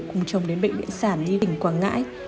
cùng chồng đến bệnh viện sản nhi quảng ngãi